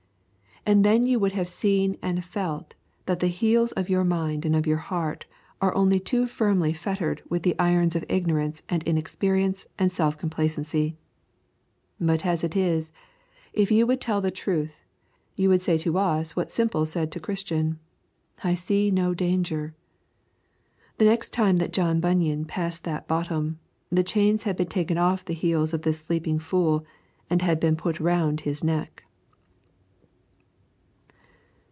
And then you would have seen and felt that the heels of your mind and of your heart are only too firmly fettered with the irons of ignorance and inexperience and self complacency. But as it is, if you would tell the truth, you would say to us what Simple said to Christian, I see no danger. The next time that John Bunyan passed that bottom, the chains had been taken off the heels of this sleeping fool and had been put round his neck.